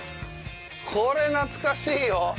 これ懐かしいよ。